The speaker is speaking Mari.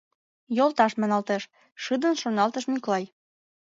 «Йолташ маналтеш, — шыдын шоналтыш Мӱклай.